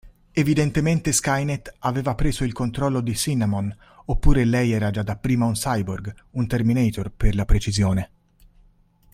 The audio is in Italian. Evidentemente Skynet aveva preso il controllo di Cinnamon, oppure lei era già da prima un cyborg, un terminator per la precisione.